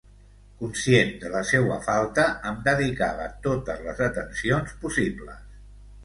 Conscient de la seua falta, em dedicava totes les atencions possibles.